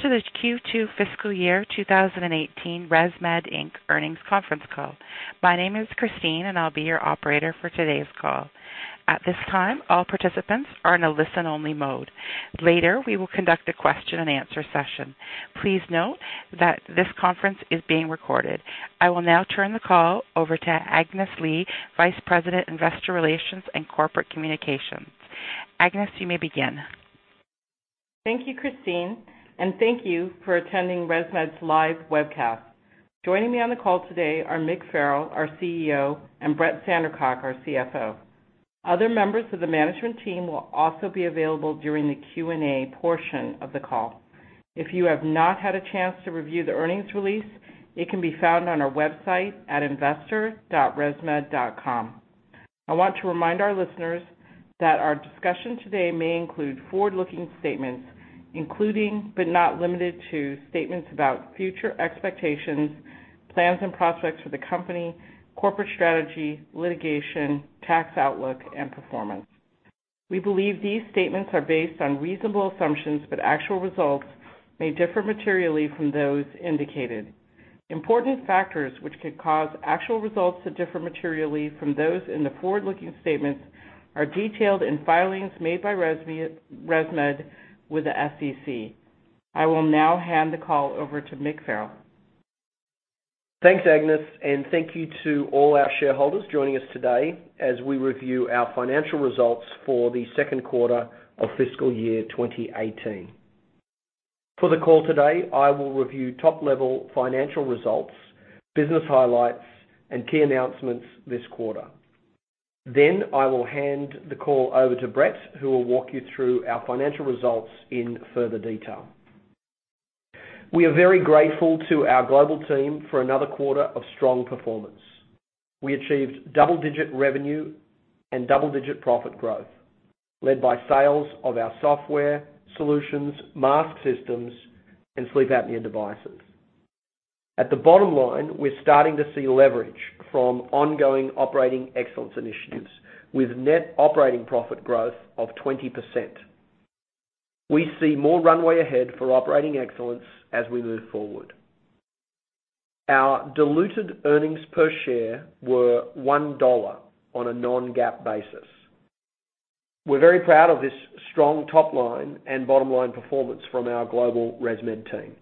Welcome to the Q2 FY 2018 ResMed Inc earnings conference call. My name is Christine and I'll be your operator for today's call. At this time, all participants are in a listen-only mode. Later, we will conduct a question and answer session. Please note that this conference is being recorded. I will now turn the call over to Agnes Lee, Vice President, Investor Relations and Corporate Communications. Agnes, you may begin. Thank you, Christine, and thank you for attending ResMed's live webcast. Joining me on the call today are Mick Farrell, our CEO, and Brett Sandercock, our CFO. Other members of the management team will also be available during the Q&A portion of the call. If you have not had a chance to review the earnings release, it can be found on our website at investor.resmed.com. I want to remind our listeners that our discussion today may include forward-looking statements including, but not limited to, statements about future expectations, plans and prospects for the company, corporate strategy, litigation, tax outlook, and performance. We believe these statements are based on reasonable assumptions, but actual results may differ materially from those indicated. Important factors which could cause actual results to differ materially from those in the forward-looking statements are detailed in filings made by ResMed with the SEC. I will now hand the call over to Mick Farrell. Thanks, Agnes, and thank you to all our shareholders joining us today as we review our financial results for the second quarter of FY 2018. For the call today, I will review top-level financial results, business highlights, and key announcements this quarter. I will hand the call over to Brett, who will walk you through our financial results in further detail. We are very grateful to our global team for another quarter of strong performance. We achieved double-digit revenue and double-digit profit growth, led by sales of our software solutions, mask systems, and sleep apnea devices. At the bottom line, we're starting to see leverage from ongoing operating excellence initiatives, with net operating profit growth of 20%. We see more runway ahead for operating excellence as we move forward. Our diluted earnings per share were $1 on a non-GAAP basis. We're very proud of this strong top-line and bottom-line performance from our global ResMed team.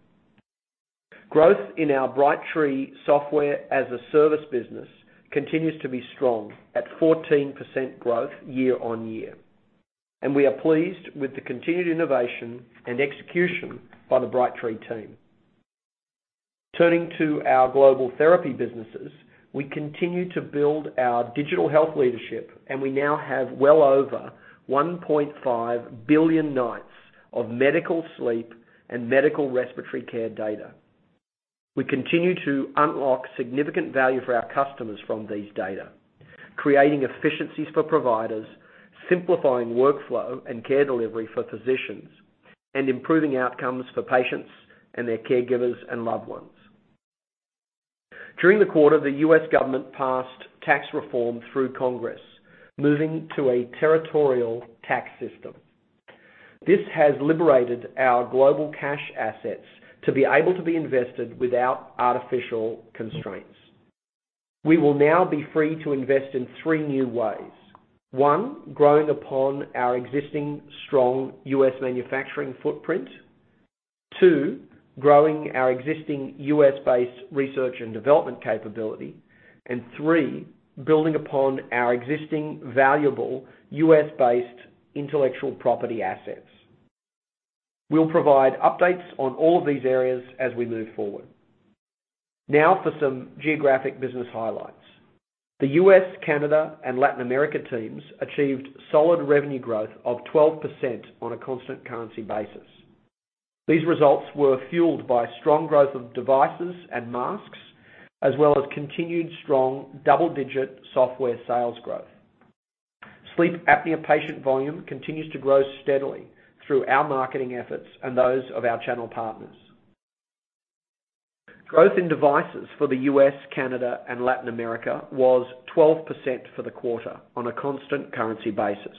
Growth in our Brightree software-as-a-service business continues to be strong, at 14% growth year-over-year. We are pleased with the continued innovation and execution by the Brightree team. Turning to our global therapy businesses, we continue to build our digital health leadership, we now have well over 1.5 billion nights of medical sleep and medical respiratory care data. We continue to unlock significant value for our customers from these data, creating efficiencies for providers, simplifying workflow and care delivery for physicians, and improving outcomes for patients and their caregivers and loved ones. During the quarter, the U.S. government passed tax reform through Congress, moving to a territorial tax system. This has liberated our global cash assets to be able to be invested without artificial constraints. We will now be free to invest in three new ways. One, growing upon our existing strong U.S. manufacturing footprint. Two, growing our existing U.S.-based research and development capability. Three, building upon our existing valuable U.S.-based intellectual property assets. We'll provide updates on all of these areas as we move forward. For some geographic business highlights. The U.S., Canada, and Latin America teams achieved solid revenue growth of 12% on a constant currency basis. These results were fueled by strong growth of devices and masks, as well as continued strong double-digit software sales growth. Sleep apnea patient volume continues to grow steadily through our marketing efforts and those of our channel partners. Growth in devices for the U.S., Canada, and Latin America was 12% for the quarter on a constant currency basis.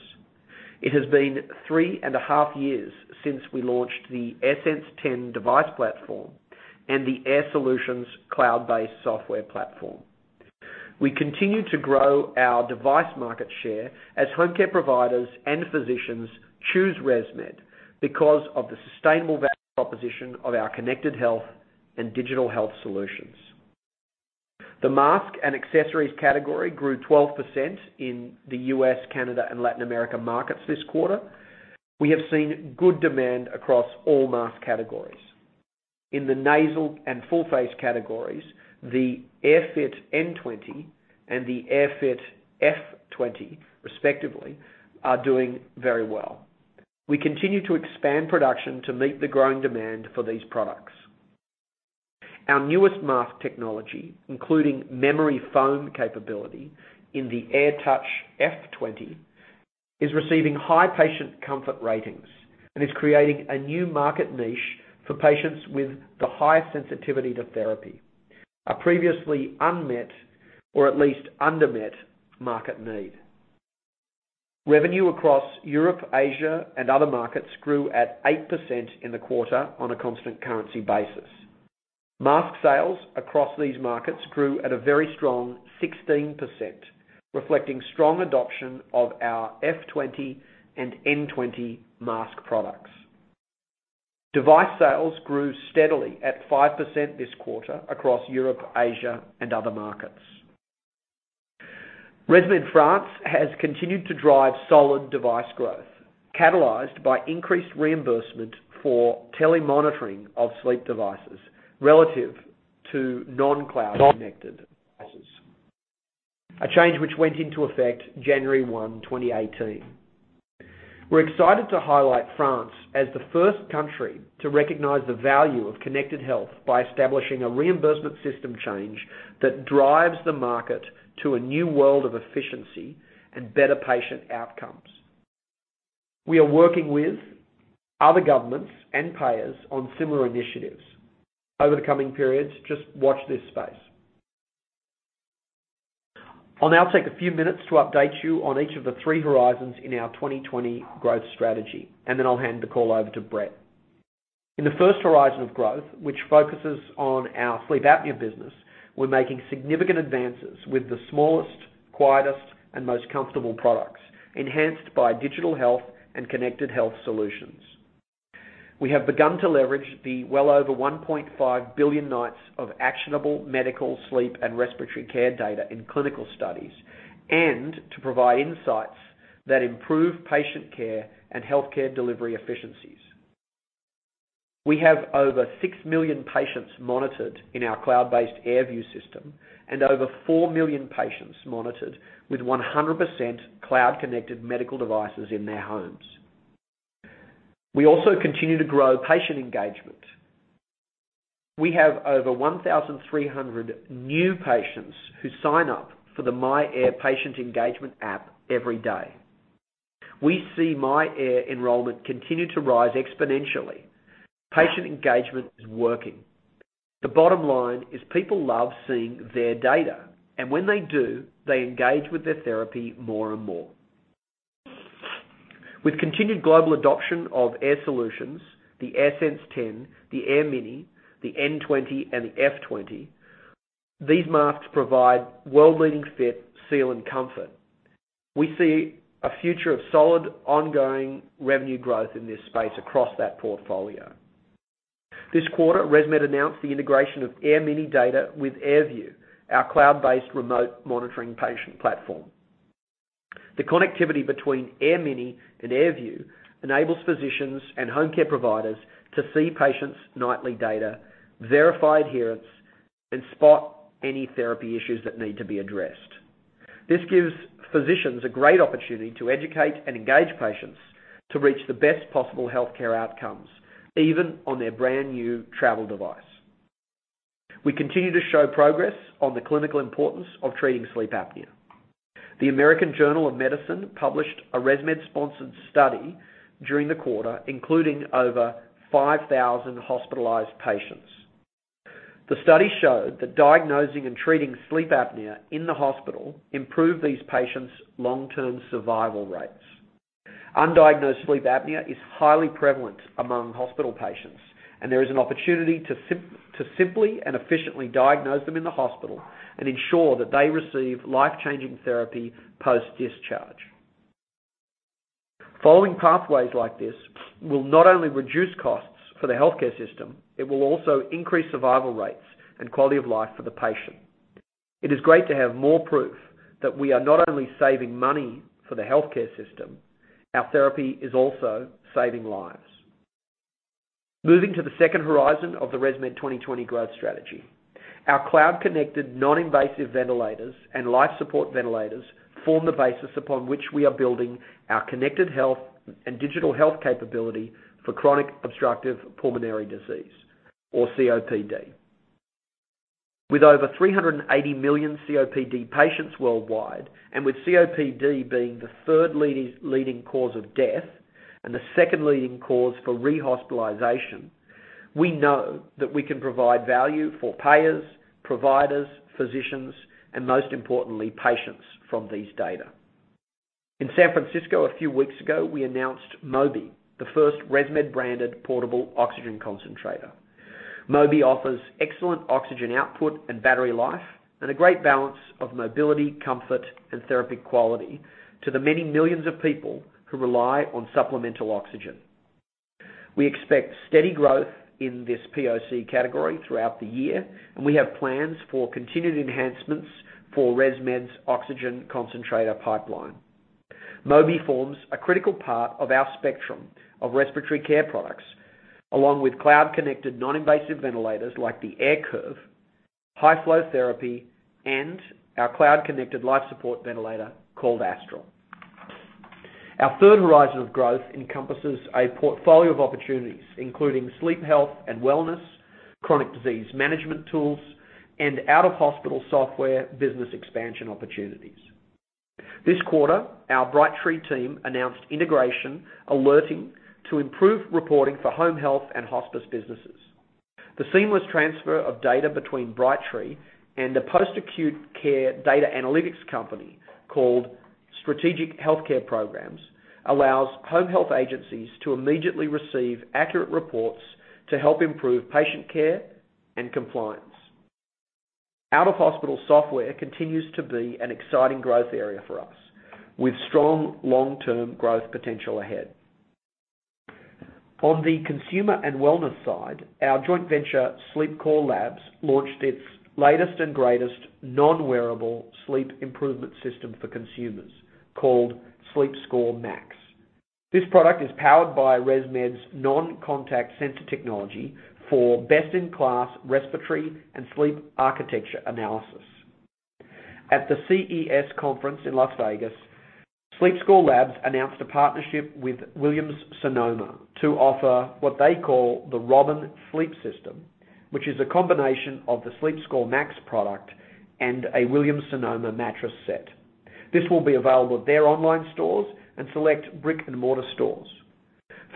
It has been three and a half years since we launched the AirSense 10 device platform and the Air Solutions cloud-based software platform. We continue to grow our device market share as home care providers and physicians choose ResMed because of the sustainable value proposition of our connected health and digital health solutions. The mask and accessories category grew 12% in the U.S., Canada, and Latin America markets this quarter. We have seen good demand across all mask categories. In the nasal and full face categories, the AirFit N20 and the AirFit F20, respectively, are doing very well. We continue to expand production to meet the growing demand for these products. Our newest mask technology, including memory foam capability in the AirTouch F20, is receiving high patient comfort ratings and is creating a new market niche for patients with the highest sensitivity to therapy, a previously unmet, or at least undermet, market need. Revenue across Europe, Asia, and other markets grew at 8% in the quarter on a constant currency basis. Mask sales across these markets grew at a very strong 16%, reflecting strong adoption of our F20 and N20 mask products. Device sales grew steadily at 5% this quarter across Europe, Asia, and other markets. ResMed France has continued to drive solid device growth, catalyzed by increased reimbursement for telemonitoring of sleep devices relative to non-cloud connected devices. A change which went into effect January 1, 2018. We're excited to highlight France as the first country to recognize the value of connected health by establishing a reimbursement system change that drives the market to a new world of efficiency and better patient outcomes. We are working with other governments and payers on similar initiatives. Over the coming periods, just watch this space. I'll now take a few minutes to update you on each of the three horizons in our 2020 growth strategy, then I'll hand the call over to Brett Sandercock. In the first horizon of growth, which focuses on our sleep apnea business, we're making significant advances with the smallest, quietest, and most comfortable products, enhanced by digital health and connected health solutions. We have begun to leverage the well over 1.5 billion nights of actionable medical sleep and respiratory care data in clinical studies, and to provide insights that improve patient care and healthcare delivery efficiencies. We have over 6 million patients monitored in our cloud-based AirView system and over 4 million patients monitored with 100% cloud-connected medical devices in their homes. We also continue to grow patient engagement. We have over 1,300 new patients who sign up for the myAir Patient Engagement app every day. We see myAir enrollment continue to rise exponentially. Patient engagement is working. The bottom line is people love seeing their data, and when they do, they engage with their therapy more and more. With continued global adoption of Air solutions, the AirSense 10, the AirMini, the N20, and the F20, these masks provide world-leading fit, seal, and comfort. We see a future of solid, ongoing revenue growth in this space across that portfolio. This quarter, ResMed announced the integration of AirMini data with AirView, our cloud-based remote monitoring patient platform. The connectivity between AirMini and AirView enables physicians and home care providers to see patients' nightly data, verify adherence, and spot any therapy issues that need to be addressed. This gives physicians a great opportunity to educate and engage patients to reach the best possible healthcare outcomes, even on their brand-new travel device. We continue to show progress on the clinical importance of treating sleep apnea. The American Journal of Medicine published a ResMed-sponsored study during the quarter, including over 5,000 hospitalized patients. The study showed that diagnosing and treating sleep apnea in the hospital improved these patients' long-term survival rates. Undiagnosed sleep apnea is highly prevalent among hospital patients, there is an opportunity to simply and efficiently diagnose them in the hospital and ensure that they receive life-changing therapy post-discharge. Following pathways like this will not only reduce costs for the healthcare system, it will also increase survival rates and quality of life for the patient. It is great to have more proof that we are not only saving money for the healthcare system, our therapy is also saving lives. Moving to the second horizon of the ResMed 2020 growth strategy. Our cloud-connected non-invasive ventilators and life support ventilators form the basis upon which we are building our connected health and digital health capability for chronic obstructive pulmonary disease, or COPD. With over 380 million COPD patients worldwide, with COPD being the third leading cause of death and the second leading cause for rehospitalization, we know that we can provide value for payers, providers, physicians, and most importantly, patients from these data. In San Francisco a few weeks ago, we announced Mobi, the first ResMed-branded portable oxygen concentrator. Mobi offers excellent oxygen output and battery life and a great balance of mobility, comfort, and therapy quality to the many millions of people who rely on supplemental oxygen. We expect steady growth in this POC category throughout the year, and we have plans for continued enhancements for ResMed's oxygen concentrator pipeline. Mobi forms a critical part of our spectrum of respiratory care products, along with cloud connected non-invasive ventilators like the AirCurve, high flow therapy, and our cloud connected life support ventilator called Astral. Our third horizon of growth encompasses a portfolio of opportunities, including sleep health and wellness, chronic disease management tools, and out-of-hospital software business expansion opportunities. This quarter, our Brightree team announced integration alerting to improve reporting for home health and hospice businesses. The seamless transfer of data between Brightree and the post-acute care data analytics company called Strategic Healthcare Programs allows home health agencies to immediately receive accurate reports to help improve patient care and compliance. Out-of-hospital software continues to be an exciting growth area for us, with strong long-term growth potential ahead. On the consumer and wellness side, our joint venture, SleepScore Labs, launched its latest and greatest non-wearable sleep improvement system for consumers, called SleepScore Max. This product is powered by ResMed's non-contact sensor technology for best-in-class respiratory and sleep architecture analysis. At the CES conference in Las Vegas, SleepScore Labs announced a partnership with Williams-Sonoma to offer what they call the Robin Sleep System, which is a combination of the SleepScore Max product and a Williams-Sonoma mattress set. This will be available at their online stores and select brick-and-mortar stores.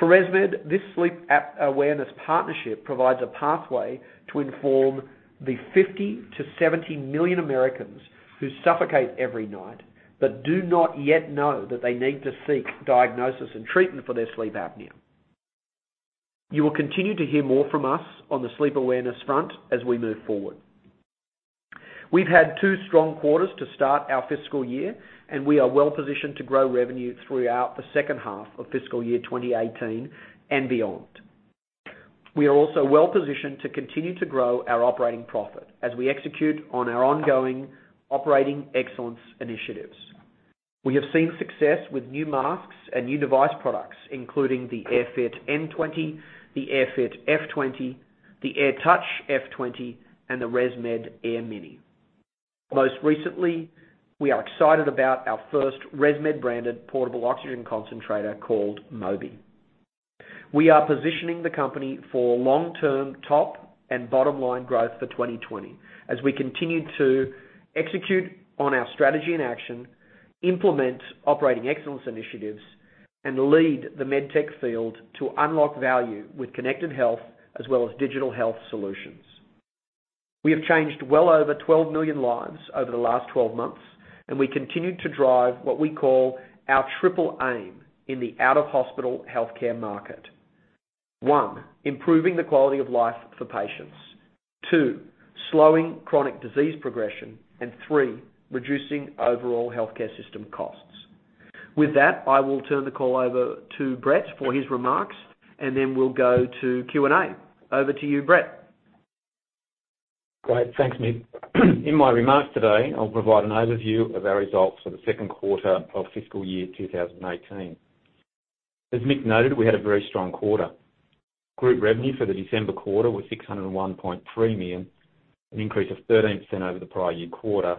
For ResMed, this sleep app awareness partnership provides a pathway to inform the 50 to 70 million Americans who suffocate every night, but do not yet know that they need to seek diagnosis and treatment for their sleep apnea. You will continue to hear more from us on the sleep awareness front as we move forward. We've had two strong quarters to start our fiscal year, and we are well positioned to grow revenue throughout the second half of fiscal year 2018 and beyond. We are also well positioned to continue to grow our operating profit as we execute on our ongoing operating excellence initiatives. We have seen success with new masks and new device products, including the AirFit N20, the AirFit F20, the AirTouch F20, and the ResMed AirMini. Most recently, we are excited about our first ResMed-branded portable oxygen concentrator called Mobi. We are positioning the company for long-term top and bottom-line growth for 2020 as we continue to execute on our strategy in action, implement operating excellence initiatives, and lead the med tech field to unlock value with connected health as well as digital health solutions. We have changed well over 12 million lives over the last 12 months, and we continue to drive what we call our triple aim in the out-of-hospital healthcare market. One, improving the quality of life for patients. Two, slowing chronic disease progression. Three, reducing overall healthcare system costs. With that, I will turn the call over to Brett for his remarks, then we'll go to Q&A. Over to you, Brett. Great. Thanks, Mick. In my remarks today, I'll provide an overview of our results for the second quarter of fiscal year 2018. As Mick noted, we had a very strong quarter. Group revenue for the December quarter was $601.3 million, an increase of 13% over the prior year quarter.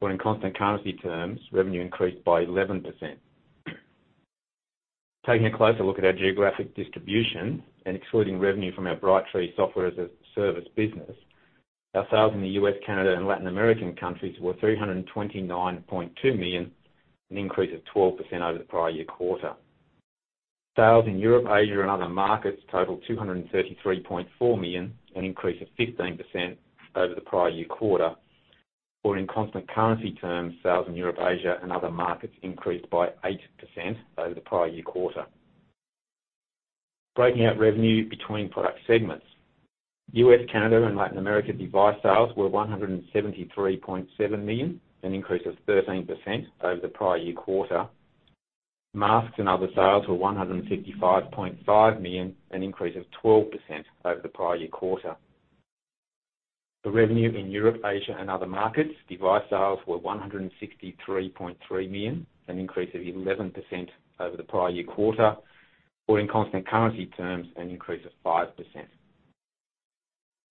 In constant currency terms, revenue increased by 11%. Taking a closer look at our geographic distribution and excluding revenue from our Brightree software as a service business, our sales in the U.S., Canada, and Latin American countries were $329.2 million, an increase of 12% over the prior year quarter. Sales in Europe, Asia, and other markets totaled $233.4 million, an increase of 15% over the prior year quarter. In constant currency terms, sales in Europe, Asia, and other markets increased by 8% over the prior year quarter. Breaking out revenue between product segments. U.S., Canada, and Latin America device sales were $173.7 million, an increase of 13% over the prior year quarter. Masks and other sales were $155.5 million, an increase of 12% over the prior year quarter. The revenue in Europe, Asia, and other markets, device sales were $163.3 million, an increase of 11% over the prior year quarter. In constant currency terms, an increase of 5%.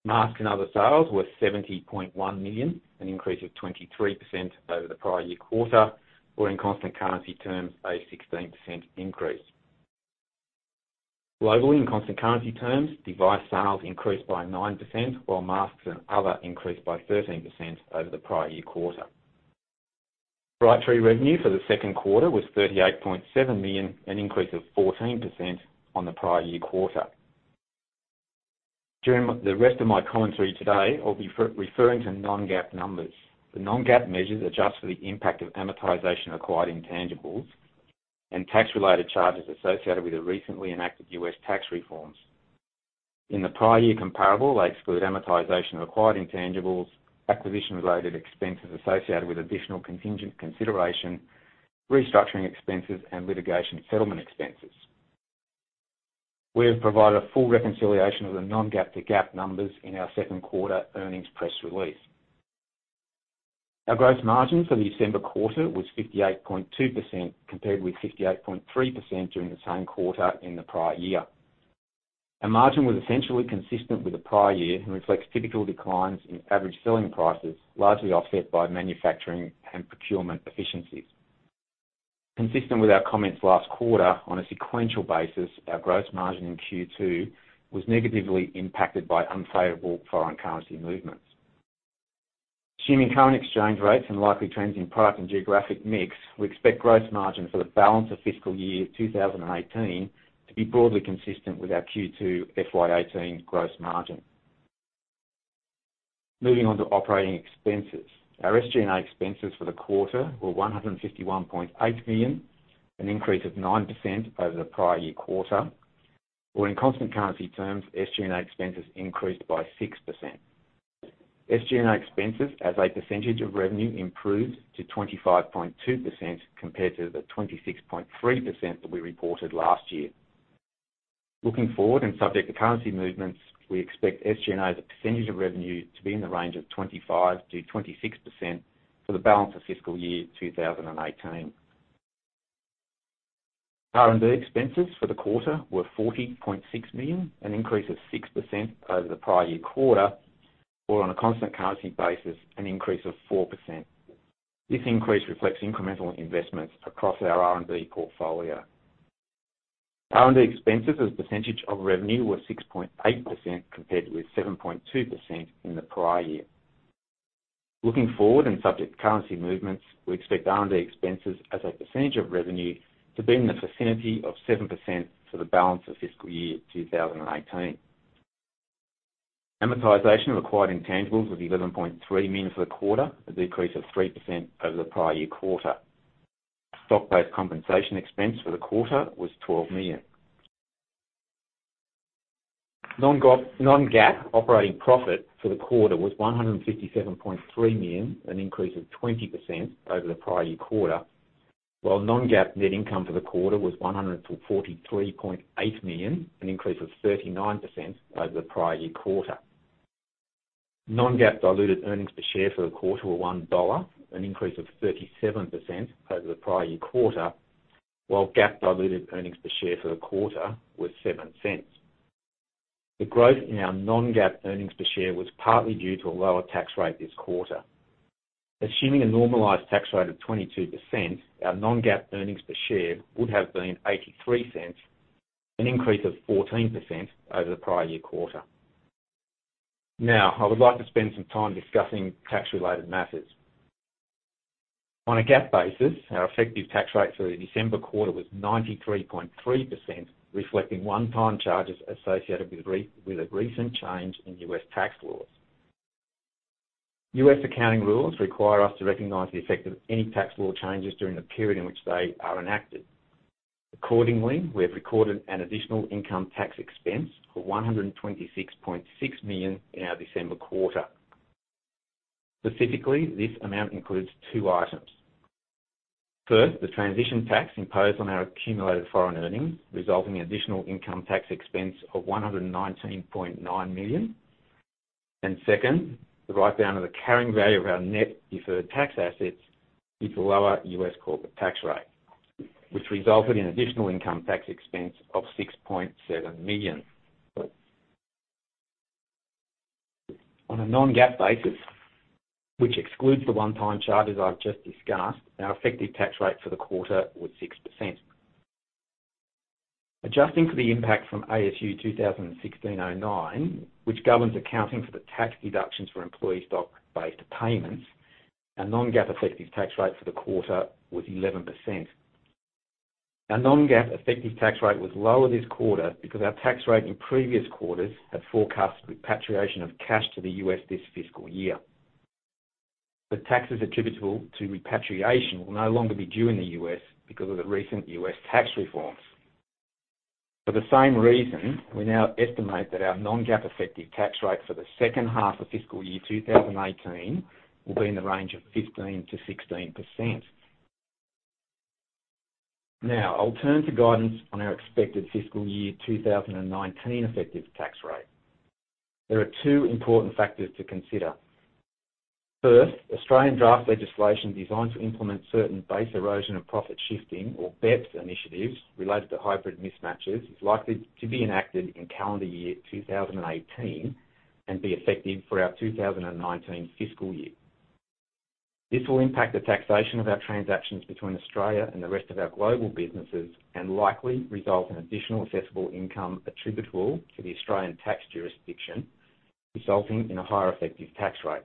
Mask and other sales were $70.1 million, an increase of 23% over the prior year quarter. In constant currency terms, a 16% increase. Globally, in constant currency terms, device sales increased by 9%, while masks and other increased by 13% over the prior year quarter. Brightree revenue for the second quarter was $38.7 million, an increase of 14% on the prior year quarter. During the rest of my commentary today, I'll be referring to non-GAAP numbers. The non-GAAP measures adjust for the impact of amortization acquired intangibles and tax-related charges associated with the recently enacted U.S. tax reforms. In the prior year comparable, they exclude amortization of acquired intangibles, acquisition-related expenses associated with additional contingent consideration, restructuring expenses, and litigation settlement expenses. We have provided a full reconciliation of the non-GAAP to GAAP numbers in our second quarter earnings press release. Our gross margin for the December quarter was 58.2%, compared with 58.3% during the same quarter in the prior year. Our margin was essentially consistent with the prior year and reflects typical declines in average selling prices, largely offset by manufacturing and procurement efficiencies. Consistent with our comments last quarter, on a sequential basis, our gross margin in Q2 was negatively impacted by unfavorable foreign currency movements. Assuming current exchange rates and likely trends in price and geographic mix, we expect gross margin for the balance of fiscal year 2018 to be broadly consistent with our Q2 FY 2018 gross margin. Moving on to operating expenses. Our SG&A expenses for the quarter were $151.8 million, an increase of 9% over the prior year quarter, or in constant currency terms, SG&A expenses increased by 6%. SG&A expenses as a percentage of revenue improved to 25.2% compared to the 26.3% that we reported last year. Looking forward and subject to currency movements, we expect SG&A as a percentage of revenue to be in the range of 25%-26% for the balance of fiscal year 2018. R&D expenses for the quarter were $40.6 million, an increase of 6% over the prior year quarter, or on a constant currency basis, an increase of 4%. This increase reflects incremental investments across our R&D portfolio. R&D expenses as a percentage of revenue were 6.8%, compared with 7.2% in the prior year. Looking forward and subject to currency movements, we expect R&D expenses as a percentage of revenue to be in the vicinity of 7% for the balance of fiscal year 2018. Amortization of acquired intangibles was $11.3 million for the quarter, a decrease of 3% over the prior year quarter. Stock-based compensation expense for the quarter was $12 million. Non-GAAP operating profit for the quarter was $157.3 million, an increase of 20% over the prior year quarter, while non-GAAP net income for the quarter was $143.8 million, an increase of 39% over the prior year quarter. Non-GAAP diluted earnings per share for the quarter were $1, an increase of 37% over the prior year quarter, while GAAP diluted earnings per share for the quarter was $0.07. The growth in our non-GAAP earnings per share was partly due to a lower tax rate this quarter. Assuming a normalized tax rate of 22%, our non-GAAP earnings per share would have been $0.83, an increase of 14% over the prior year quarter. I would like to spend some time discussing tax-related matters. On a GAAP basis, our effective tax rate for the December quarter was 93.3%, reflecting one-time charges associated with a recent change in U.S. tax laws. U.S. accounting rules require us to recognize the effect of any tax law changes during the period in which they are enacted. Accordingly, we have recorded an additional income tax expense of $126.6 million in our December quarter. Specifically, this amount includes two items. First, the transition tax imposed on our accumulated foreign earnings, resulting in additional income tax expense of $119.9 million. Second, the write-down of the carrying value of our net deferred tax assets with lower U.S. corporate tax rate, which resulted in additional income tax expense of $6.7 million. On a non-GAAP basis, which excludes the one-time charges I've just discussed, our effective tax rate for the quarter was 6%. Adjusting for the impact from ASU 2016-09, which governs accounting for the tax deductions for employee stock-based payments, our non-GAAP effective tax rate for the quarter was 11%. Our non-GAAP effective tax rate was lower this quarter because our tax rate in previous quarters had forecast repatriation of cash to the U.S. this fiscal year. Taxes attributable to repatriation will no longer be due in the U.S. because of the recent U.S. tax reforms. For the same reason, we now estimate that our non-GAAP effective tax rate for the second half of fiscal year 2018 will be in the range of 15%-16%. I'll turn to guidance on our expected fiscal year 2019 effective tax rate. There are two important factors to consider. First, Australian draft legislation designed to implement certain base erosion and profit shifting, or BEPS initiatives related to hybrid mismatches is likely to be enacted in calendar year 2018 and be effective for our 2019 fiscal year. This will impact the taxation of our transactions between Australia and the rest of our global businesses and likely result in additional assessable income attributable to the Australian tax jurisdiction, resulting in a higher effective tax rate.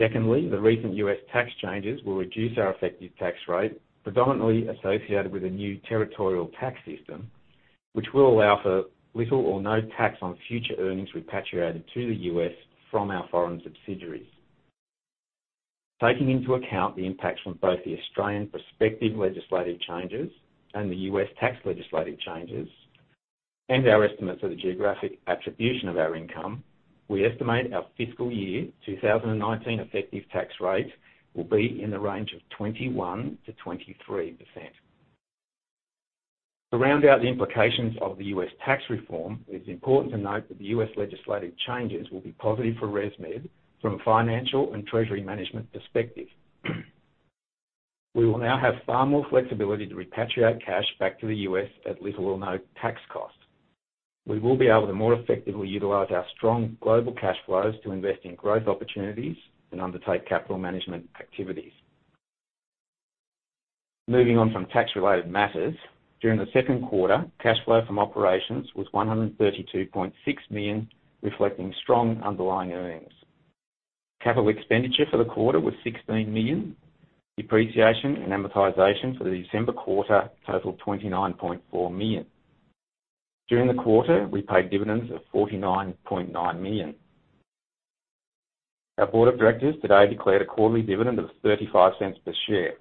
Secondly, the recent U.S. tax changes will reduce our effective tax rate, predominantly associated with a new territorial tax system, which will allow for little or no tax on future earnings repatriated to the U.S. from our foreign subsidiaries. Taking into account the impacts from both the Australian prospective legislative changes and the U.S. tax legislative changes, and our estimates of the geographic attribution of our income, we estimate our fiscal year 2019 effective tax rate will be in the range of 21%-23%. To round out the implications of the U.S. tax reform, it is important to note that the U.S. legislative changes will be positive for ResMed from a financial and treasury management perspective. We will now have far more flexibility to repatriate cash back to the U.S. at little or no tax cost. We will be able to more effectively utilize our strong global cash flows to invest in growth opportunities and undertake capital management activities. Moving on from tax-related matters. During the second quarter, cash flow from operations was $132.6 million, reflecting strong underlying earnings. Capital expenditure for the quarter was $16 million. Depreciation and amortization for the December quarter totaled $29.4 million. During the quarter, we paid dividends of $49.9 million. Our board of directors today declared a quarterly dividend of $0.35 per share.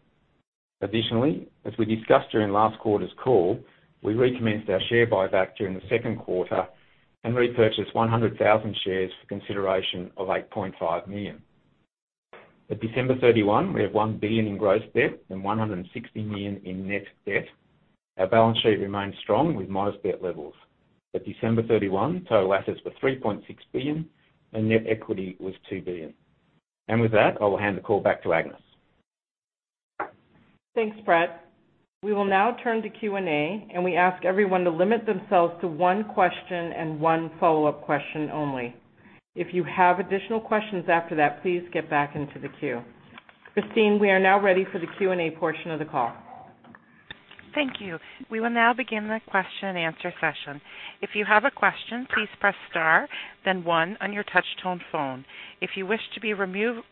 Additionally, as we discussed during last quarter's call, we recommenced our share buyback during the second quarter and repurchased 100,000 shares for consideration of $8.5 million. At December 31, we have $1 billion in gross debt and $160 million in net debt. Our balance sheet remains strong, with modest debt levels. At December 31, total assets were $3.6 billion and net equity was $2 billion. With that, I will hand the call back to Agnes. Thanks, Brett. We will now turn to Q&A. We ask everyone to limit themselves to one question and one follow-up question only. If you have additional questions after that, please get back into the queue. Christine, we are now ready for the Q&A portion of the call. Thank you. We will now begin the question and answer session. If you have a question, please press star then one on your touch tone phone. If you wish to be removed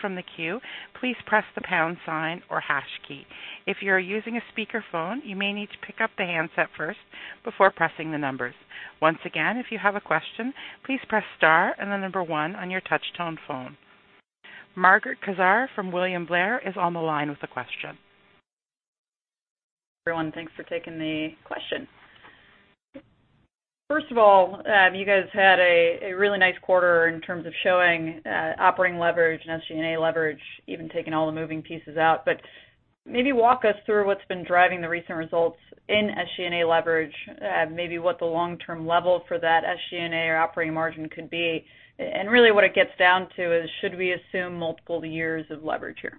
from the queue, please press the pound sign or hash key. If you are using a speakerphone, you may need to pick up the handset first before pressing the numbers. Once again, if you have a question, please press star and the number one on your touch tone phone. Margaret Kaczor from William Blair is on the line with a question. Everyone, thanks for taking the question. First of all, you guys had a really nice quarter in terms of showing operating leverage and SG&A leverage, even taking all the moving pieces out. Maybe walk us through what's been driving the recent results in SG&A leverage, maybe what the long-term level for that SG&A or operating margin could be. Really what it gets down to is should we assume multiple years of leverage here?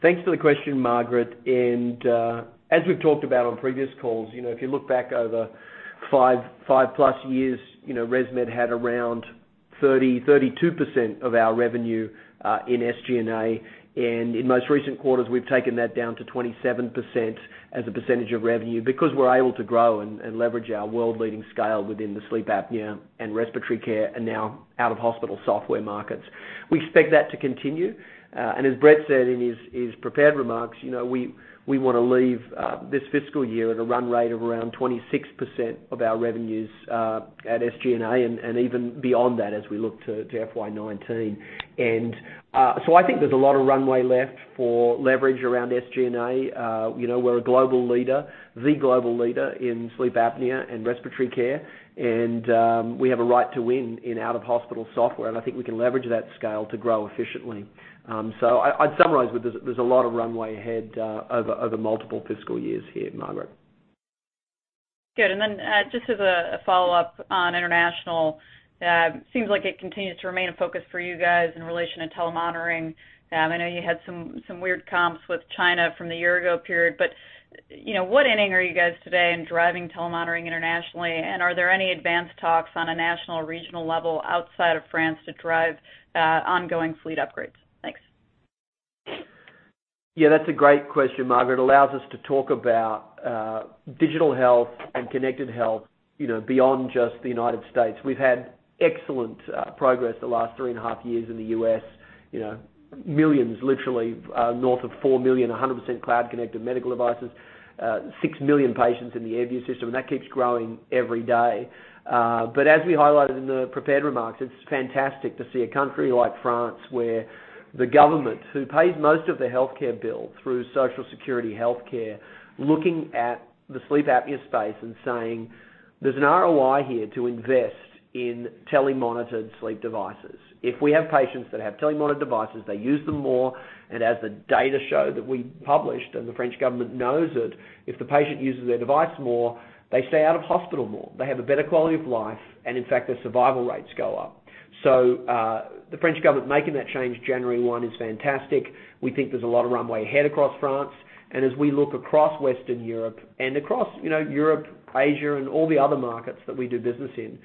Thanks for the question, Margaret. As we've talked about on previous calls, if you look back over five-plus years, ResMed had around 30, 32% of our revenue in SG&A. In most recent quarters, we've taken that down to 27% as a percentage of revenue because we're able to grow and leverage our world leading scale within the sleep apnea and respiratory care, and now out-of-hospital software markets. We expect that to continue. As Brett said in his prepared remarks, we want to leave this fiscal year at a run rate of around 26% of our revenues at SG&A. Even beyond that, as we look to FY19. I think there's a lot of runway left for leverage around SG&A. We're a global leader, the global leader in sleep apnea and respiratory care. We have a right to win in out-of-hospital software, and I think we can leverage that scale to grow efficiently. I'd summarize with there's a lot of runway ahead over multiple fiscal years here, Margaret. Good. Just as a follow-up on international, seems like it continues to remain a focus for you guys in relation to telemonitoring. I know you had some weird comps with China from the year ago period, but what inning are you guys today in driving telemonitoring internationally, and are there any advanced talks on a national regional level outside of France to drive ongoing fleet upgrades? Thanks. That's a great question, Margaret. Allows us to talk about digital health and connected health, beyond just the United States. We've had excellent progress the last three and a half years in the U.S. Millions, literally, north of 4 million, 100% cloud connected medical devices. 6 million patients in the AirView system, and that keeps growing every day. As we highlighted in the prepared remarks, it's fantastic to see a country like France, where the government, who pays most of the healthcare bill through Social Security healthcare, looking at the sleep apnea space and saying, "There's an ROI here to invest in telemonitored sleep devices." If we have patients that have telemonitored devices, they use them more. As the data show that we published, and the French government knows it, if the patient uses their device more, they stay out of hospital more. They have a better quality of life, and in fact, their survival rates go up. The French government making that change January 1 is fantastic. We think there's a lot of runway ahead across France. As we look across Western Europe and across Europe, Asia, and all the other markets that we do business in,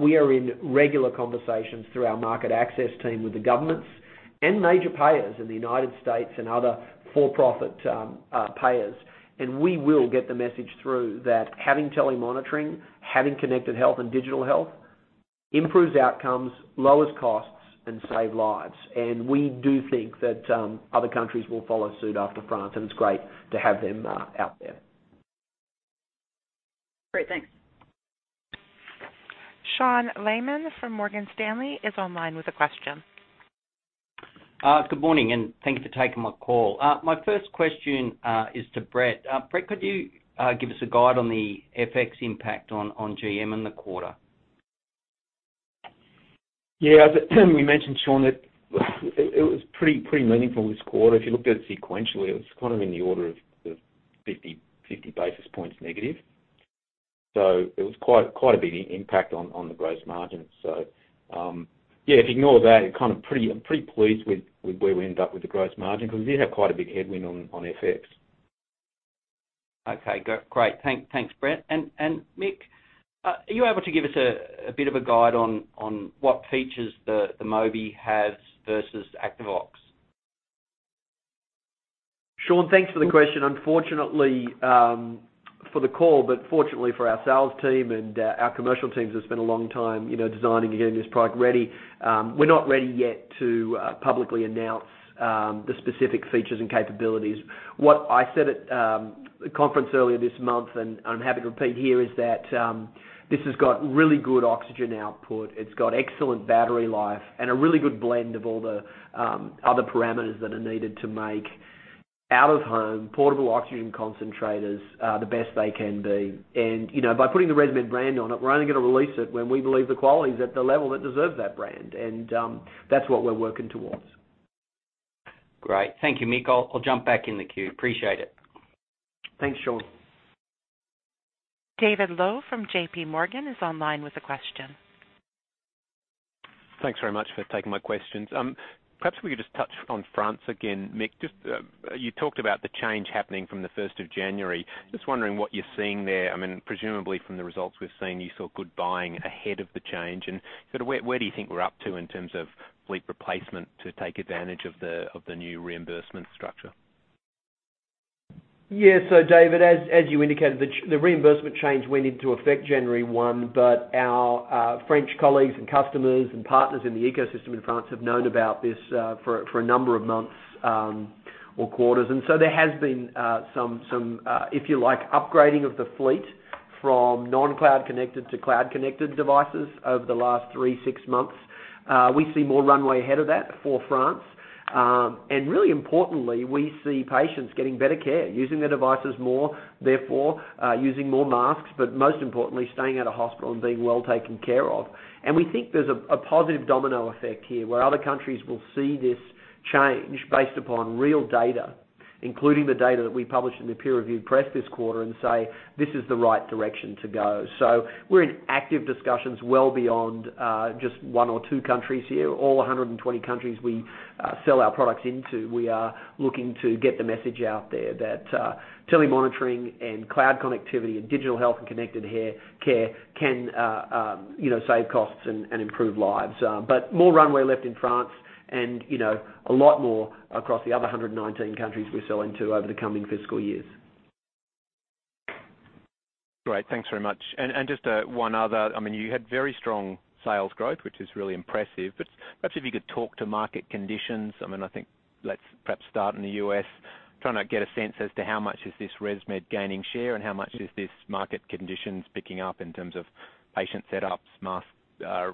we are in regular conversations through our market access team with the governments and major payers in the United States and other for-profit payers. We will get the message through that having telemonitoring, having connected health and digital health improves outcomes, lowers costs, and save lives. We do think that other countries will follow suit after France, and it's great to have them out there. Great. Thanks. Sean Lehmann from Morgan Stanley is online with a question. Good morning. Thank you for taking my call. My first question is to Brett. Brett, could you give us a guide on the FX impact on GM in the quarter? Yeah. As we mentioned, Sean, it was pretty meaningful this quarter. If you looked at it sequentially, it was kind of in the order of 50 basis points negative. It was quite a big impact on the gross margin. Yeah, if you ignore that, I'm pretty pleased with where we ended up with the gross margin because we did have quite a big headwind on FX. Okay, great. Thanks, Brett. Mick, are you able to give us a bit of a guide on what features the Mobi has versus Activox? Sean, thanks for the question. Unfortunately for the call, but fortunately for our sales team and our commercial teams that spent a long time designing and getting this product ready, we're not ready yet to publicly announce the specific features and capabilities. What I said at conference earlier this month, and I'm happy to repeat here, is that this has got really good oxygen output, it's got excellent battery life, and a really good blend of all the other parameters that are needed to make out-of-home portable oxygen concentrators the best they can be. By putting the ResMed brand on it, we're only going to release it when we believe the quality is at the level that deserves that brand. That's what we're working towards. Great. Thank you, Mick. I'll jump back in the queue. Appreciate it. Thanks, Sean. David Low from JP Morgan is online with a question. Thanks very much for taking my questions. Perhaps we could just touch on France again, Mick. You talked about the change happening from the 1st of January. Just wondering what you're seeing there. Presumably from the results we've seen, you saw good buying ahead of the change. Where do you think we're up to in terms of fleet replacement to take advantage of the new reimbursement structure? Yeah. David, as you indicated, the reimbursement change went into effect January 1, but our French colleagues and customers and partners in the ecosystem in France have known about this for a number of months or quarters. There has been some, if you like, upgrading of the fleet from non-cloud connected to cloud connected devices over the last three, six months. We see more runway ahead of that for France. Really importantly, we see patients getting better care, using their devices more, therefore, using more masks, but most importantly, staying out of hospital and being well taken care of. We think there's a positive domino effect here, where other countries will see this change based upon real data, including the data that we published in the peer-reviewed press this quarter and say, "This is the right direction to go." We're in active discussions well beyond just one or two countries here. All 120 countries we sell our products into, we are looking to get the message out there that telemonitoring and cloud connectivity and digital health and connected care can save costs and improve lives. More runway left in France and a lot more across the other 119 countries we sell into over the coming fiscal years. Great. Thanks very much. Just one other. You had very strong sales growth, which is really impressive. Perhaps if you could talk to market conditions. I think let's perhaps start in the U.S. Trying to get a sense as to how much is this ResMed gaining share and how much is this market conditions picking up in terms of patient setups, mask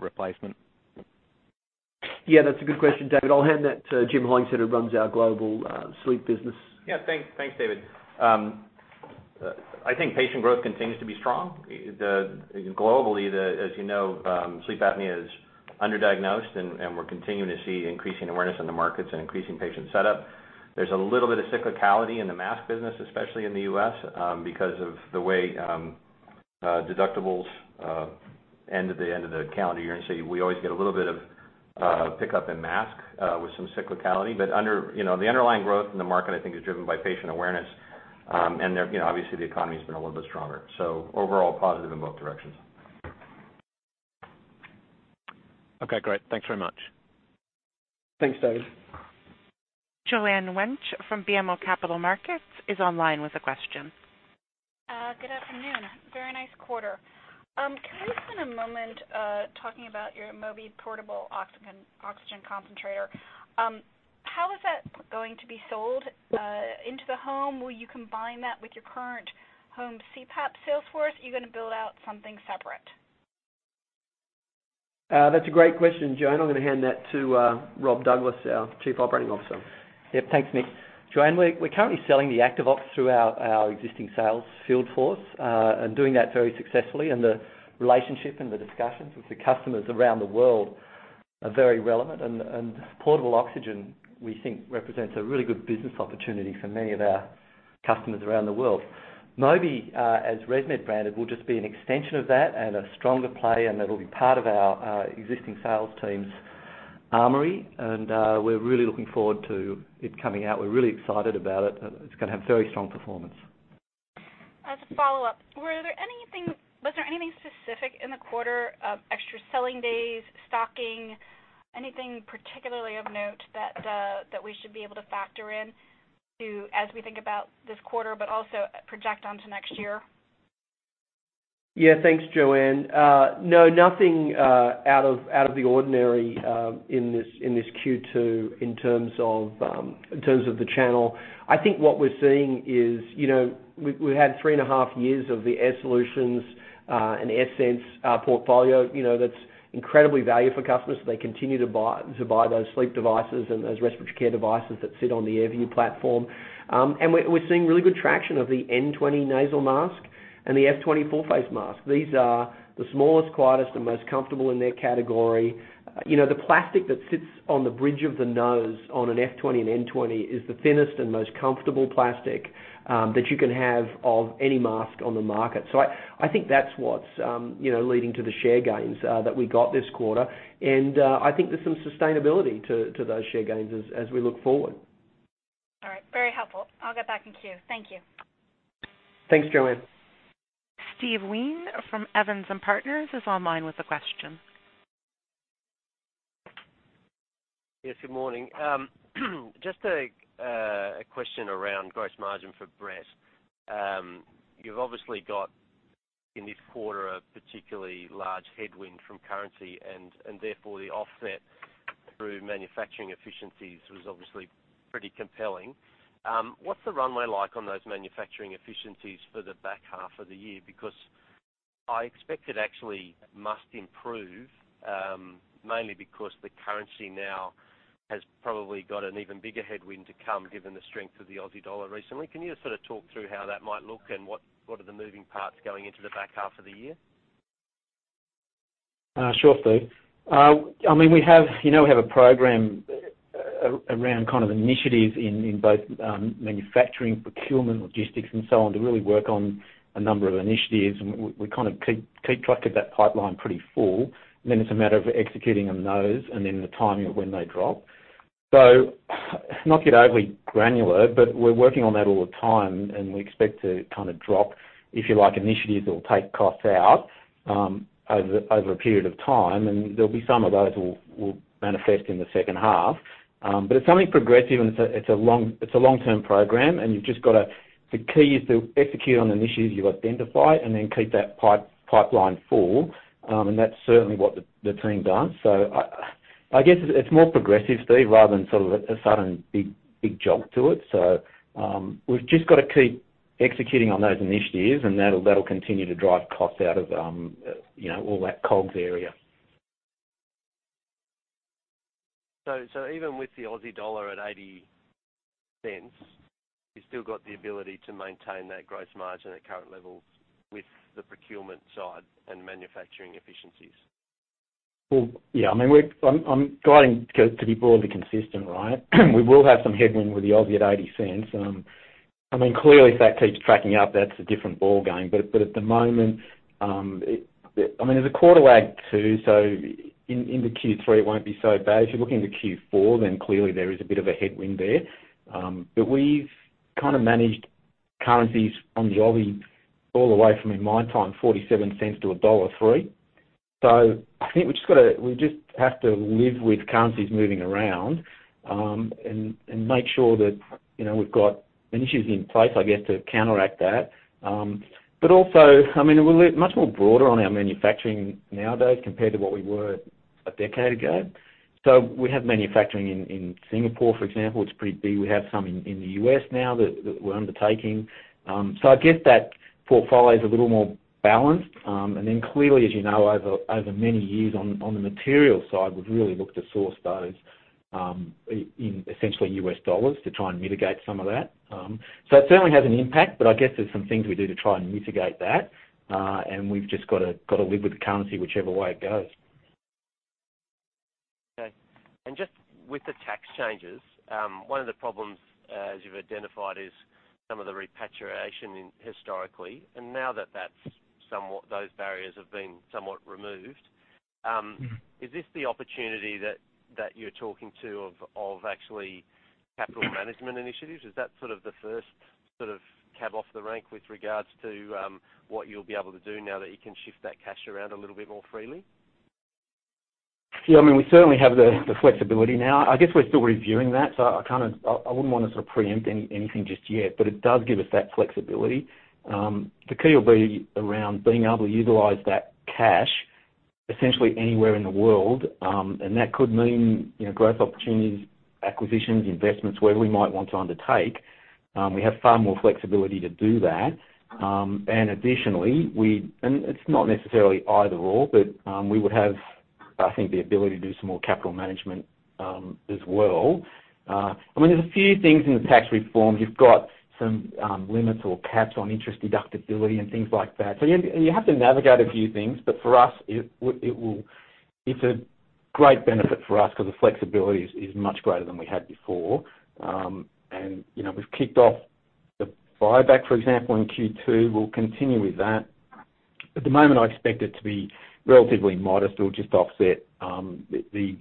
replacement. Yeah, that's a good question, David. I'll hand that to Jim Hollingshead, who runs our global sleep business. Yeah. Thanks, David. I think patient growth continues to be strong. Globally, as you know, sleep apnea is underdiagnosed, and we're continuing to see increasing awareness in the markets and increasing patient setup. There's a little bit of cyclicality in the mask business, especially in the U.S., because of the way deductibles end at the end of the calendar year. We always get a little bit of pickup in mask with some cyclicality. The underlying growth in the market, I think, is driven by patient awareness. Obviously, the economy's been a little bit stronger. Overall, positive in both directions. Okay, great. Thanks very much. Thanks, David. Joanne Wuensch from BMO Capital Markets is online with a question. Good afternoon. Very nice quarter. Can we spend a moment talking about your Mobi portable oxygen concentrator? How is that going to be sold? Into the home, will you combine that with your current home CPAP sales force? Are you going to build out something separate? That's a great question, Joanne. I'm going to hand that to Robert Douglas, our Chief Operating Officer. Yeah, thanks, Mick. Joanne, we're currently selling the Activox through our existing sales field force and doing that very successfully. The relationship and the discussions with the customers around the world are very relevant. Portable oxygen, we think, represents a really good business opportunity for many of our customers around the world. Mobi, as ResMed branded, will just be an extension of that and a stronger play, and it'll be part of our existing sales team's armory. We're really looking forward to it coming out. We're really excited about it. It's going to have very strong performance. As a follow-up, was there anything specific in the quarter, extra selling days, stocking, anything particularly of note that we should be able to factor in as we think about this quarter but also project onto next year? Yeah. Thanks, Joanne. No, nothing out of the ordinary in this Q2 in terms of the channel. I think what we're seeing is we've had three and a half years of the Air Solutions and AirSense portfolio. That's incredibly valuable for customers, so they continue to buy those sleep devices and those respiratory care devices that sit on the AirView platform. We're seeing really good traction of the N20 nasal mask and the F20 full-face mask. These are the smallest, quietest, and most comfortable in their category. The plastic that sits on the bridge of the nose on an F20 and N20 is the thinnest and most comfortable plastic that you can have of any mask on the market. I think that's what's leading to the share gains that we got this quarter. I think there's some sustainability to those share gains as we look forward. Very helpful. I'll get back in queue. Thank you. Thanks, Joanne. Steve Wheen from Evans & Partners is online with a question. Yes, good morning. Just a question around gross margin for Brett. You've obviously got, in this quarter, a particularly large headwind from currency, and therefore, the offset through manufacturing efficiencies was obviously pretty compelling. What's the runway like on those manufacturing efficiencies for the back half of the year? Because I expect it actually must improve, mainly because the currency now has probably got an even bigger headwind to come, given the strength of the Aussie dollar recently. Can you just sort of talk through how that might look and what are the moving parts going into the back half of the year? Sure, Steve. We have a program around initiatives in both manufacturing, procurement, logistics, and so on to really work on a number of initiatives, and we kind of keep track of that pipeline pretty full. It's a matter of executing on those and then the timing of when they drop. Not yet overly granular, but we're working on that all the time, and we expect to drop, if you like, initiatives that will take costs out over a period of time, and there'll be some of those will manifest in the second half. It's something progressive, and it's a long-term program, and the key is to execute on initiatives you identify and then keep that pipeline full. That's certainly what the team does. I guess it's more progressive, Steve, rather than sort of a sudden big jump to it. we've just got to keep executing on those initiatives, and that'll continue to drive costs out of all that COGS area. Even with the Aussie dollar at 0.80, you've still got the ability to maintain that gross margin at current levels with the procurement side and manufacturing efficiencies? Well, yeah. I'm trying to be broadly consistent, right? We will have some headwind with the Aussie at 0.80. Clearly, if that keeps tracking up, that's a different ballgame. At the moment, there's a quarter lag, too, so into Q3 it won't be so bad. If you're looking into Q4, clearly there is a bit of a headwind there. We've kind of managed currencies on the Aussie all the way from, in my time, 0.47 to dollar 1.03. I think we just have to live with currencies moving around, and make sure that we've got initiatives in place, I guess, to counteract that. Also, we're much more broader on our manufacturing nowadays compared to what we were a decade ago. We have manufacturing in Singapore, for example. It's pretty big. We have some in the U.S. now that we're undertaking. I guess that portfolio is a little more balanced. Clearly, as you know, over many years on the materials side, we've really looked to source those in essentially US dollars to try and mitigate some of that. It certainly has an impact, but I guess there's some things we do to try and mitigate that. We've just got to live with the currency whichever way it goes. Okay. Just with the tax changes, one of the problems, as you've identified, is some of the repatriation historically. Now that those barriers have been somewhat removed- Is this the opportunity that you're talking to of actually capital management initiatives? Is that sort of the first cab off the rank with regards to what you'll be able to do now that you can shift that cash around a little bit more freely? Yeah, we certainly have the flexibility now. I guess we're still reviewing that, so I wouldn't want to sort of preempt anything just yet. It does give us that flexibility. The key will be around being able to utilize that cash essentially anywhere in the world, and that could mean growth opportunities, acquisitions, investments, wherever we might want to undertake. We have far more flexibility to do that. Additionally, it's not necessarily either/or, we would have, I think, the ability to do some more capital management as well. There's a few things in the tax reform. You've got some limits or caps on interest deductibility and things like that. You have to navigate a few things, for us, it's a great benefit for us because the flexibility is much greater than we had before. We've kicked off the buyback, for example, in Q2. We'll continue with that. At the moment, I expect it to be relatively modest. It'll just offset the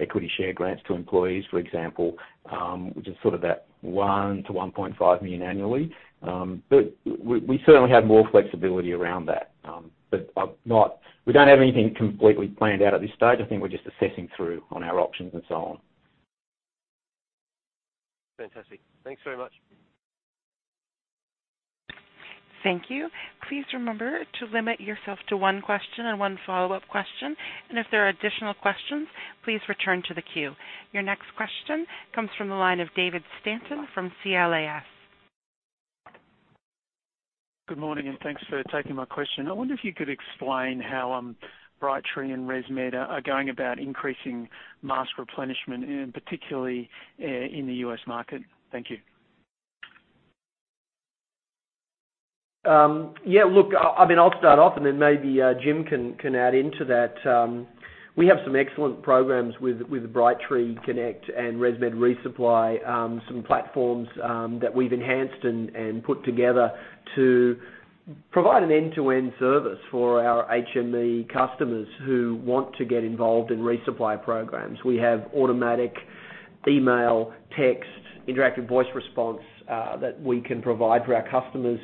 equity share grants to employees, for example, which is sort of that $1 million-$1.5 million annually. We certainly have more flexibility around that. We don't have anything completely planned out at this stage. I think we're just assessing through on our options and so on. Fantastic. Thanks very much. Thank you. Please remember to limit yourself to one question and one follow-up question. If there are additional questions, please return to the queue. Your next question comes from the line of David Stanton from CLSA. Good morning. Thanks for taking my question. I wonder if you could explain how Brightree and ResMed are going about increasing mask replenishment, particularly in the U.S. market. Thank you. Look, I'll start off. Then maybe Jim can add into that. We have some excellent programs with Brightree Connect and ResMed ReSupply, some platforms that we've enhanced and put together to provide an end-to-end service for our HME customers who want to get involved in resupply programs. Email, text, interactive voice response that we can provide for our customers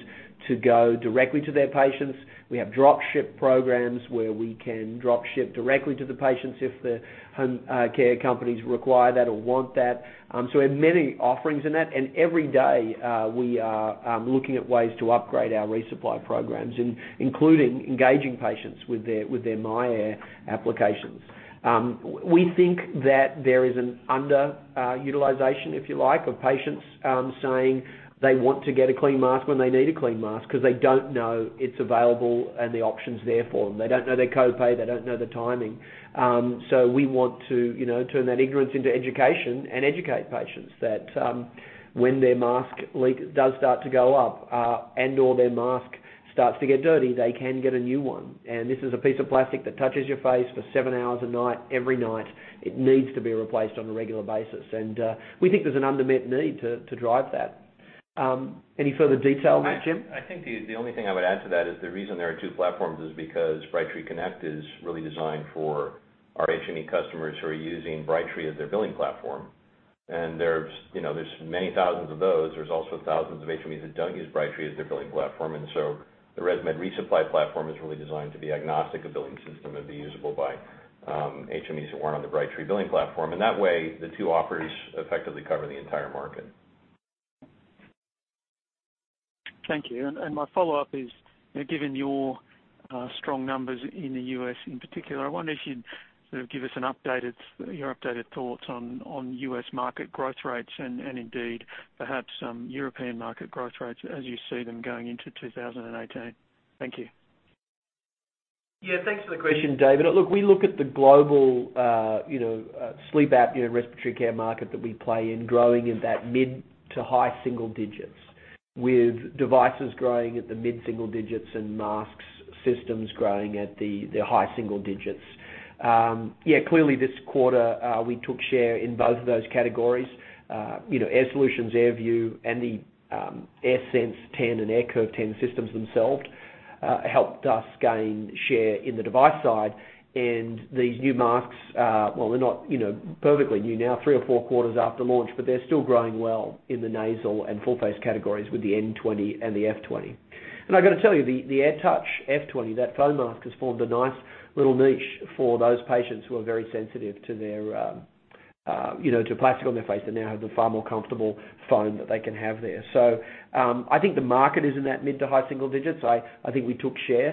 to go directly to their patients. We have drop ship programs where we can drop ship directly to the patients if the home care companies require that or want that. We have many offerings in that, and every day, we are looking at ways to upgrade our resupply programs, including engaging patients with their myAir applications. We think that there is an underutilization, if you like, of patients saying they want to get a clean mask when they need a clean mask, because they don't know it's available and the option's there for them. They don't know their copay. They don't know the timing. We want to turn that ignorance into education and educate patients that when their mask leak does start to go up, and/or their mask starts to get dirty, they can get a new one. This is a piece of plastic that touches your face for seven hours a night, every night. It needs to be replaced on a regular basis. We think there's an unmet need to drive that. Any further detail there, Jim? I think the only thing I would add to that is the reason there are two platforms is because Brightree Connect is really designed for our HME customers who are using Brightree as their billing platform. There's many thousands of those. There's also thousands of HMEs that don't use Brightree as their billing platform. The ResMed ReSupply platform is really designed to be agnostic, a billing system, and be usable by HMEs who aren't on the Brightree billing platform. That way, the two offerings effectively cover the entire market. Thank you. My follow-up is, given your strong numbers in the U.S. in particular, I wonder if you'd give us your updated thoughts on U.S. market growth rates and indeed perhaps some European market growth rates as you see them going into 2018. Thank you. Thanks for the question, David. We look at the global sleep apnea respiratory care market that we play in, growing in that mid to high single digits, with devices growing at the mid-single digits and mask systems growing at the high single digits. Clearly this quarter, we took share in both of those categories. Air Solutions, AirView, and the AirSense 10 and AirCurve 10 systems themselves, helped us gain share in the device side. These new masks, well, they're not perfectly new now, three or four quarters after launch, but they're still growing well in the nasal and full face categories with the N20 and the F20. I've got to tell you, the AirTouch F20, that foam mask, has formed a nice little niche for those patients who are very sensitive to plastic on their face and now have the far more comfortable foam that they can have there. I think the market is in that mid to high single digits. I think we took share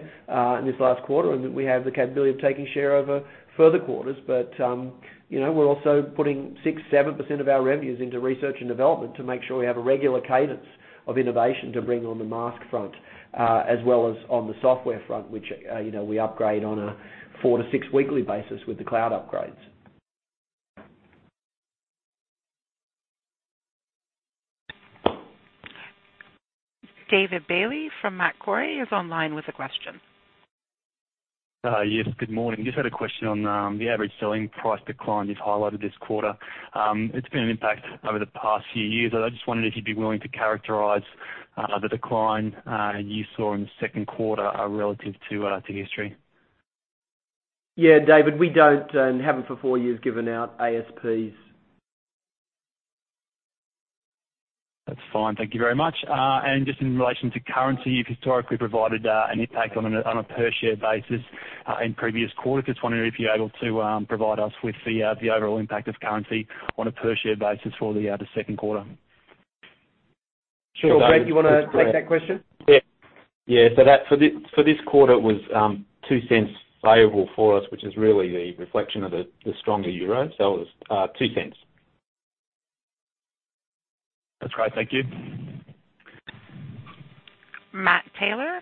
in this last quarter, and we have the capability of taking share over further quarters. We're also putting 6%, 7% of our revenues into research and development to make sure we have a regular cadence of innovation to bring on the mask front, as well as on the software front, which we upgrade on a four to six weekly basis with the cloud upgrades. David Bailey from Macquarie is online with a question. Good morning. Just had a question on the average selling price decline you've highlighted this quarter. It's been an impact over the past few years. I just wondered if you'd be willing to characterize the decline you saw in the second quarter relative to history. Yeah, David, we don't and haven't for four years, given out ASPs. That's fine. Thank you very much. Just in relation to currency, you've historically provided an impact on a per share basis in previous quarters. Just wondering if you're able to provide us with the overall impact of currency on a per share basis for the second quarter? Sure. Brett, do you want to take that question? Yeah. For this quarter, it was $0.02 favorable for us, which is really the reflection of the stronger euro. It was $0.02. That's great. Thank you. Matthew Taylor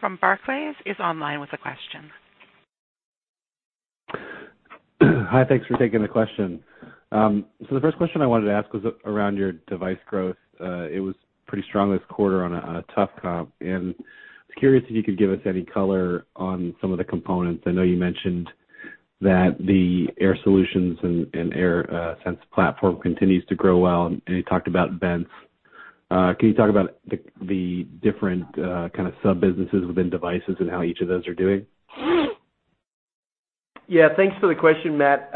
from Barclays is online with a question. Hi, thanks for taking the question. The first question I wanted to ask was around your device growth. It was pretty strong this quarter on a tough comp. I was curious if you could give us any color on some of the components. I know you mentioned that the Air Solutions and AirSense platform continues to grow well, and you talked about vents. Can you talk about the different kind of sub-businesses within devices and how each of those are doing? Yeah. Thanks for the question, Matt.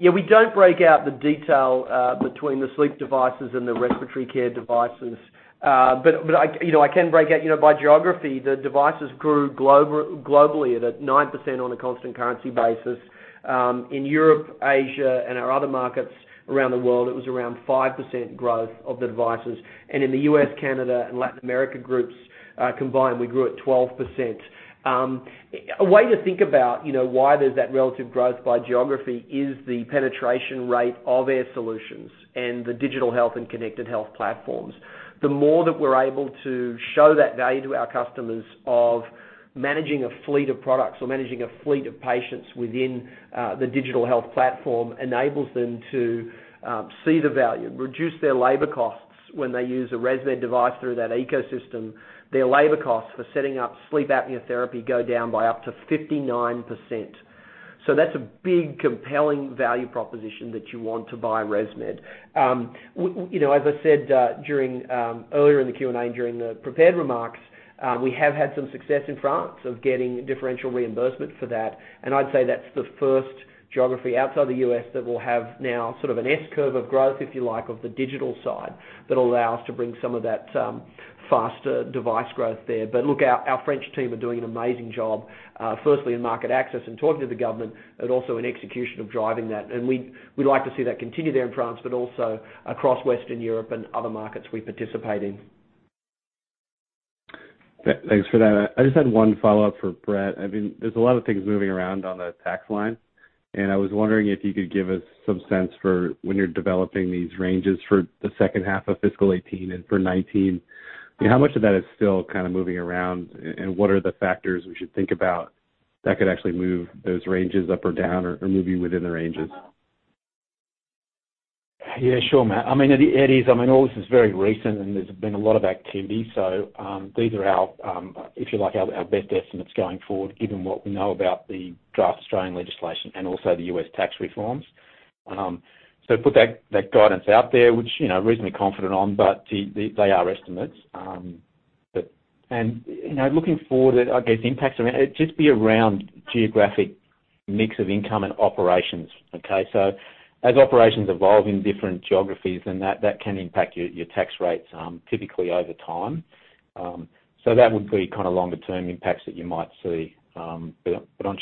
We don't break out the detail between the sleep devices and the respiratory care devices. I can break out by geography. The devices grew globally at 9% on a constant currency basis. In Europe, Asia, and our other markets around the world, it was around 5% growth of the devices. In the U.S., Canada, and Latin America groups combined, we grew at 12%. A way to think about why there's that relative growth by geography is the penetration rate of Air Solutions and the digital health and connected health platforms. The more that we're able to show that value to our customers of managing a fleet of products or managing a fleet of patients within the digital health platform enables them to see the value, reduce their labor costs. When they use a ResMed device through that ecosystem, their labor costs for setting up sleep apnea therapy go down by up to 59%. That's a big, compelling value proposition that you want to buy ResMed. As I said earlier in the Q&A and during the prepared remarks, we have had some success in France of getting differential reimbursement for that, and I'd say that's the first geography outside the U.S. that will have now sort of an S-curve of growth, if you like, of the digital side that will allow us to bring some of that faster device growth there. Look, our French team are doing an amazing job, firstly in market access and talking to the government, but also in execution of driving that. We'd like to see that continue there in France, but also across Western Europe and other markets we participate in. Thanks for that. I just had one follow-up for Brett. There's a lot of things moving around on the tax line, and I was wondering if you could give us some sense for when you're developing these ranges for the second half of fiscal 2018 and for 2019. How much of that is still kind of moving around, and what are the factors we should think about that could actually move those ranges up or down, or move you within the ranges? Yeah, sure, Matt. All this is very recent, and there's been a lot of activity. These are our, if you like, our best estimates going forward, given what we know about the draft Australian legislation and also the U.S. tax reforms. Put that guidance out there, which we're reasonably confident on, but they are estimates. Looking forward, I guess impacts, it'd just be around geographic mix of income and operations. Okay? As operations evolve in different geographies, then that can impact your tax rates typically over time. That would be kind of longer term impacts that you might see. On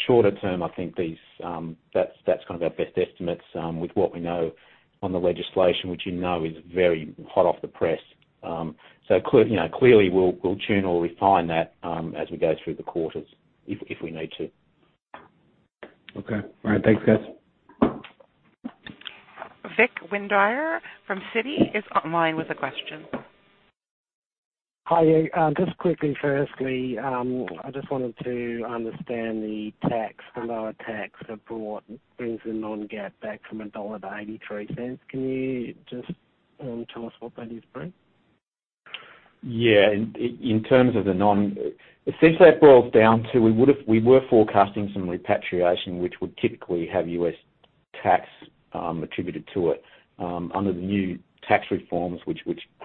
shorter term, I think that's kind of our best estimates with what we know on the legislation, which you know is very hot off the press. Clearly, we'll tune or refine that as we go through the quarters, if we need to. Okay. All right. Thanks, guys. Victor Windeyer from Citi is online with a question. Hi. Just quickly, firstly, I just wanted to understand the tax. The lower tax brings the non-GAAP back from $1 to $0.83. Can you just tell us what that is, Brett? Yeah. Essentially, it boils down to we were forecasting some repatriation, which would typically have U.S. tax attributed to it. Under the new tax reforms which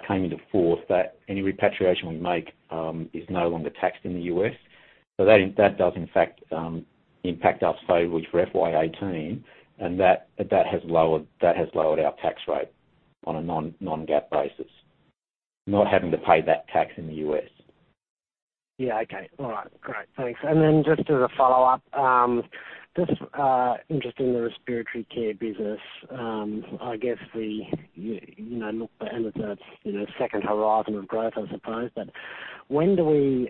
came into force, any repatriation we make is no longer taxed in the U.S. That does, in fact, impact our savings for FY 2018, and that has lowered our tax rate on a non-GAAP basis, not having to pay that tax in the U.S. Yeah. Okay. All right. Great. Thanks. Just as a follow-up, just interested in the respiratory care business. I guess, look, the end of the second horizon of growth, I suppose, but when do we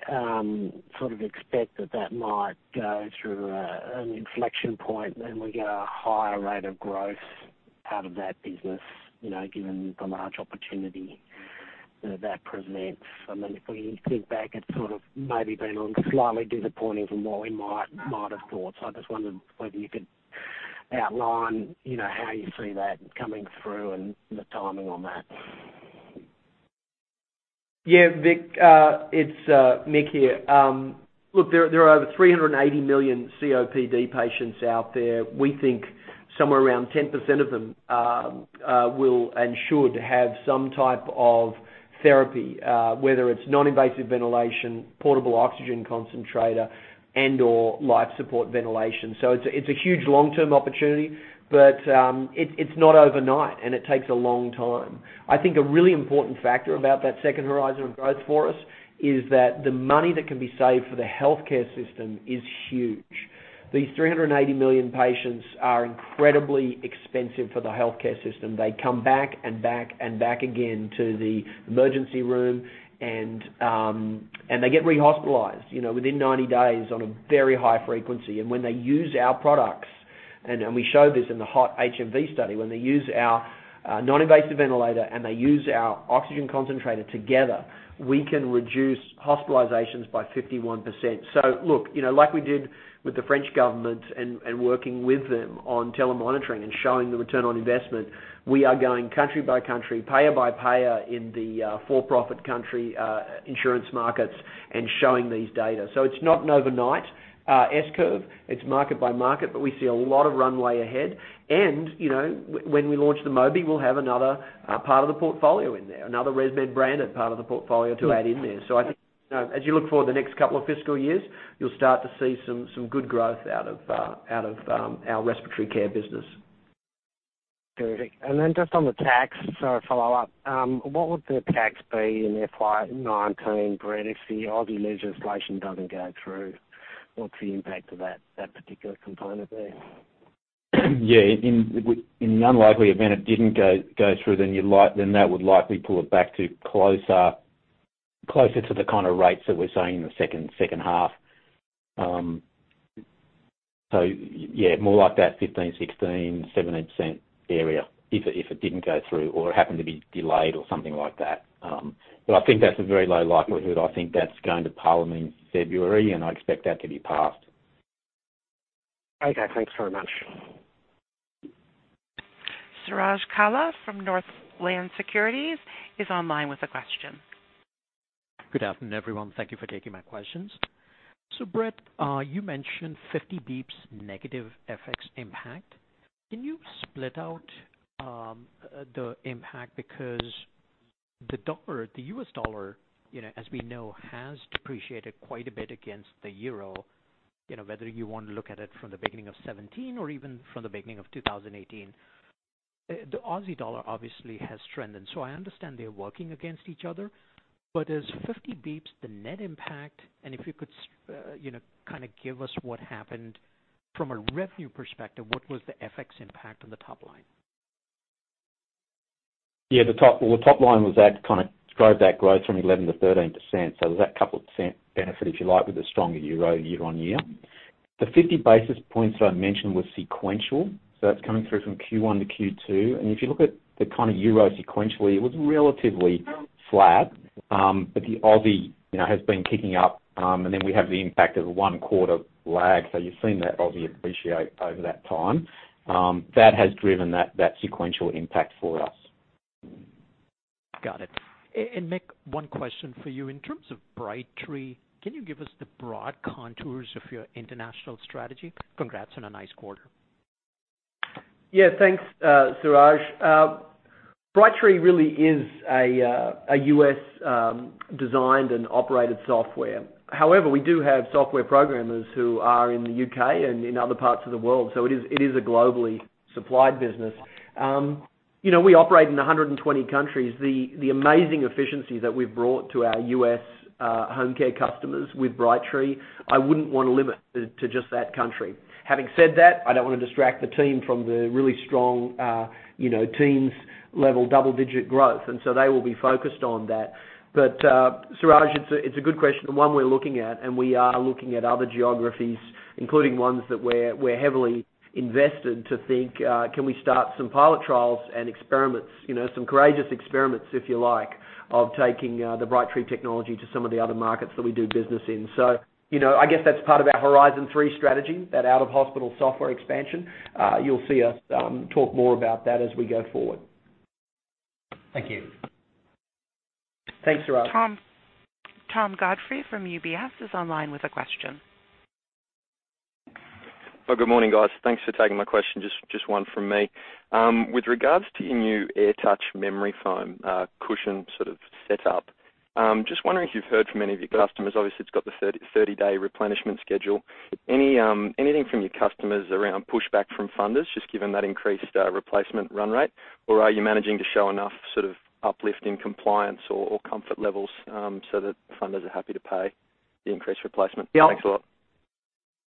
sort of expect that that might go through an inflection point and we get a higher rate of growth out of that business, given the large opportunity that presents? If we think back, it's sort of maybe been on slightly disappointing from what we might have thought. I just wondered whether you could outline how you see that coming through and the timing on that. Vic. It's Mick here. Look, there are over 380 million COPD patients out there. We think somewhere around 10% of them will and should have some type of therapy, whether it's non-invasive ventilation, portable oxygen concentrator, and/or life support ventilation. It's a huge long-term opportunity, but it's not overnight and it takes a long time. I think a really important factor about that second horizon of growth for us is that the money that can be saved for the healthcare system is huge. These 380 million patients are incredibly expensive for the healthcare system. They come back and back and back again to the emergency room, and they get re-hospitalized within 90 days on a very high frequency. When they use our products, and we show this in the HOT-HMV study, when they use our non-invasive ventilator and they use our oxygen concentrator together, we can reduce hospitalizations by 51%. Look, like we did with the French government and working with them on telemonitoring and showing the return on investment, we are going country by country, payer by payer in the for-profit country insurance markets and showing these data. It's not an overnight S-curve. It's market by market, but we see a lot of runway ahead. When we launch the Mobi, we'll have another part of the portfolio in there, another ResMed branded part of the portfolio to add in there. I think as you look forward the next couple of fiscal years, you'll start to see some good growth out of our respiratory care business. Terrific. Just on the tax, sorry, a follow-up. What would the tax be in FY 2019, Brett, if the Aussie legislation doesn't go through? What's the impact of that particular component there? In the unlikely event it didn't go through, that would likely pull it back to closer to the kind of rates that we're seeing in the second half. More like that 15%, 16%, 17% area, if it didn't go through or it happened to be delayed or something like that. I think that's a very low likelihood. I think that's going to Parliament in February, and I expect that to be passed. Okay. Thanks very much. Suraj Kalia from Northland Securities is online with a question. Good afternoon, everyone. Thank you for taking my questions. Brett, you mentioned 50 basis points negative FX impact. Can you split out the impact? Because the U.S. dollar, as we know, has depreciated quite a bit against the euro, whether you want to look at it from the beginning of 2017 or even from the beginning of 2018. The Aussie dollar obviously has strengthened. I understand they're working against each other, but is 50 basis points the net impact? If you could kind of give us what happened from a revenue perspective, what was the FX impact on the top line? The top line kind of drove that growth from 11 to 13%. There's that couple % benefit, if you like, with the stronger euro year-on-year. The 50 basis points that I mentioned was sequential, that's coming through from Q1 to Q2. If you look at the kind of euro sequentially, it was relatively flat. The Aussie has been kicking up, and then we have the impact of one quarter lag. You've seen that Aussie appreciate over that time. That has driven that sequential impact for us. Got it. Mick, one question for you. In terms of Brightree, can you give us the broad contours of your international strategy? Congrats on a nice quarter. Yeah, thanks, Suraj. Brightree really is a U.S. designed and operated software. However, we do have software programmers who are in the U.K. and in other parts of the world, so it is a globally supplied business. We operate in 120 countries. The amazing efficiency that we've brought to our U.S. home care customers with Brightree, I wouldn't want to limit it to just that country. Having said that, I don't want to distract the team from the really strong teens-level double-digit growth, they will be focused on that. Suraj, it's a good question, and one we're looking at, and we are looking at other geographies, including ones that we're heavily invested to think, can we start some pilot trials and experiments, some courageous experiments, if you like, of taking the Brightree technology to some of the other markets that we do business in. I guess that's part of our Horizon Three strategy, that out-of-hospital software expansion. You'll see us talk more about that as we go forward. Thank you. Thanks, Suraj. Thomas Godfrey from UBS is online with a question. Good morning, guys. Thanks for taking my question, just one from me. With regards to your new AirTouch memory foam cushion sort of set up, just wondering if you've heard from any of your customers. Obviously, it's got the 30-day replenishment schedule. Anything from your customers around pushback from funders, just given that increased replacement run rate? Or are you managing to show enough sort of uplift in compliance or comfort levels, so that funders are happy to pay the increased replacement? Thanks a lot.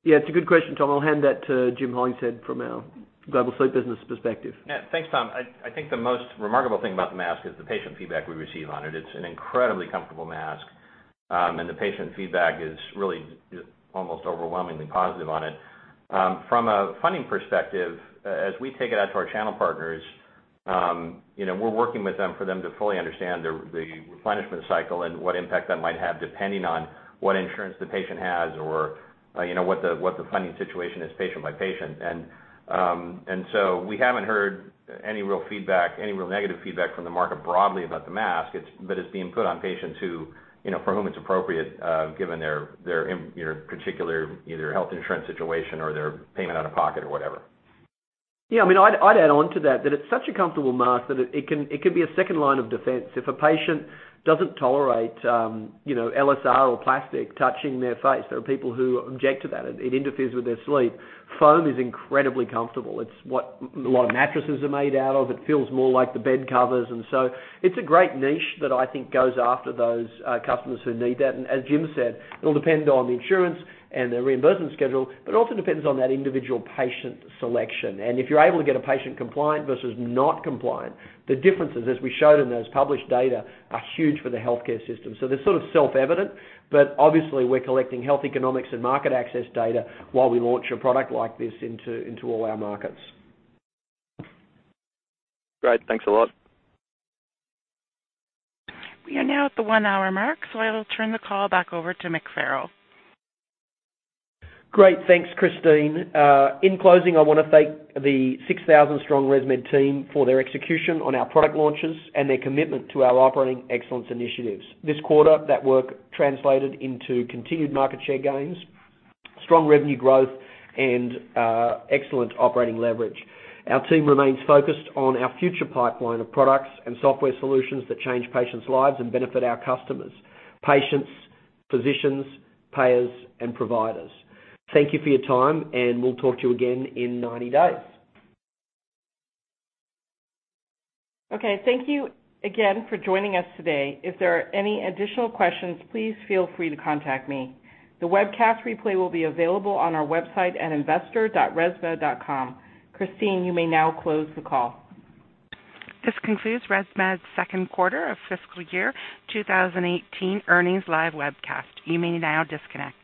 Yeah, it's a good question, Tom. I'll hand that to Jim Hollingshead from our Global Sleep Business perspective. Thanks, Tom. I think the most remarkable thing about the mask is the patient feedback we receive on it. It's an incredibly comfortable mask, and the patient feedback is really almost overwhelmingly positive on it. From a funding perspective, as we take it out to our channel partners, we're working with them for them to fully understand the replenishment cycle and what impact that might have, depending on what insurance the patient has or what the funding situation is patient by patient. We haven't heard any real negative feedback from the market broadly about the mask, but it's being put on patients for whom it's appropriate, given their particular either health insurance situation or their payment out of pocket or whatever. I'd add on to that it's such a comfortable mask that it can be a second line of defense. If a patient doesn't tolerate LSR or plastic touching their face, there are people who object to that, it interferes with their sleep. Foam is incredibly comfortable. It's what a lot of mattresses are made out of. It feels more like the bed covers. It's a great niche that I think goes after those customers who need that. As Jim said, it'll depend on the insurance and the reimbursement schedule, but it also depends on that individual patient selection. If you're able to get a patient compliant versus not compliant, the differences, as we showed in those published data, are huge for the healthcare system. They're sort of self-evident. Obviously, we're collecting health economics and market access data while we launch a product like this into all our markets. Great. Thanks a lot. We are now at the one-hour mark, so I will turn the call back over to Mick Farrell. Great. Thanks, Christine. In closing, I want to thank the 6,000-strong ResMed team for their execution on our product launches and their commitment to our operating excellence initiatives. This quarter, that work translated into continued market share gains, strong revenue growth, and excellent operating leverage. Our team remains focused on our future pipeline of products and software solutions that change patients' lives and benefit our customers, patients, physicians, payers, and providers. Thank you for your time, and we'll talk to you again in 90 days. Okay. Thank you again for joining us today. If there are any additional questions, please feel free to contact me. The webcast replay will be available on our website at investor.resmed.com. Christine, you may now close the call. This concludes ResMed's second quarter of fiscal year 2018 earnings live webcast. You may now disconnect.